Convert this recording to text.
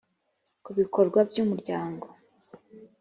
ku bikorwa by umuryango